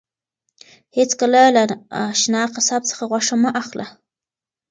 هیڅکله له نااشنا قصاب څخه غوښه مه اخله.